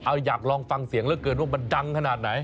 เอาอยากลองฟังเสียงเหลือเกินว่ามันดังขนาดไหน